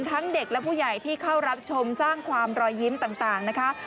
ทั้งเด็กและผู้ใหญ่ที่เข้ารับชมสร้างความรอยยิ้มต่างนะคะ